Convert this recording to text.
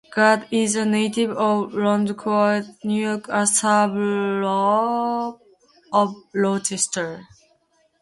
Gadd is a native of Irondequoit, New York, a suburb of Rochester.